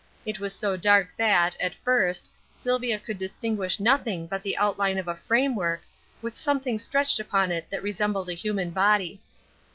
It was so dark that, at first, Sylvia could distinguish nothing but the outline of a framework, with something stretched upon it that resembled a human body.